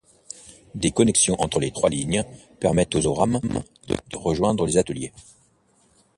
Des connexions entre les trois lignes permettent aux rames de rejoindre les ateliers.